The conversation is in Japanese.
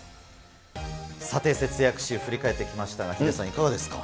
さて、節約史振り返ってきましたが、ヒデさん、いかがですか。